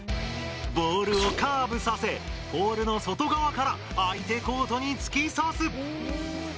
ボールをカーブさせポールの外側から相手コートに突き刺す。